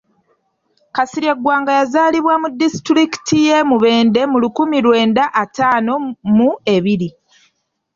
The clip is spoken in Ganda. Kasirye Gwanga yazaalibwa mu disitulikiti y'e Mubende mu lukumi lwenda ataano mu ebiri.